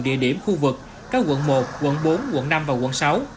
địa điểm khu vực các quận một quận bốn quận năm và quận sáu